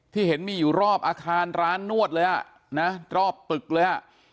เห็นมีอยู่รอบอาคารร้านนวดเลยอ่ะนะรอบตึกเลยอ่ะ